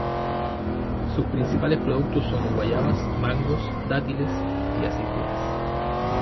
Sus principales productos son guayabas, mangos, dátiles y aceitunas.